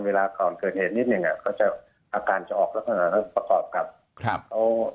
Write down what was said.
เวลาเกิดเหตุนิดนึงอ่ะก็จะอาการจะออกแล้วประกอบกับเขา